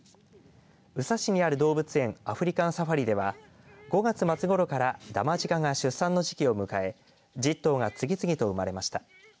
宇佐市にある動物園アフリカンサファリでは５月末ごろからダマジカが出産の時期を迎え１０頭が次々と生まれました。